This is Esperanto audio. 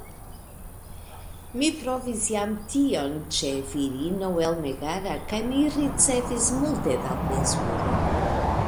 Mi provis jam tion ĉe virino el Megara, kaj mi ricevis multe da plezuro.